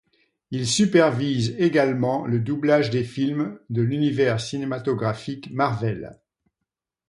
Il supervise également le doublage des films de l'univers cinématographique Marvel.